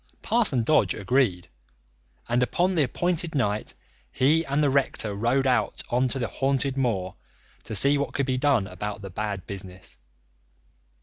Parson Dodge agreed, and upon the appointed night he and the rector rode out on to the haunted moor to see what could be done about the bad business.